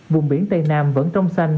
vùng biển tây nam vẫn trong xanh